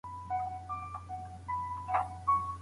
ولي زیارکښ کس د لایق کس په پرتله ښه ځلېږي؟